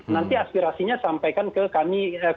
nanti aspirasinya sampaikan ke kami ke kami